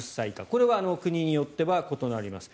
これは国によっては異なります。